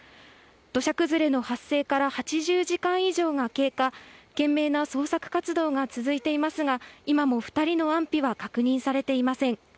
土砂崩れの発生から８０時間以上が経過、懸命な捜索活動が続いていますが、今も２人の安否は確認されていません。